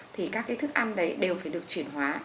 thì các thức ăn đều phải được chuyển hóa